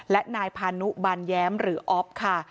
และนายพานุบานแย้มหรืออ๊อฟค่ะ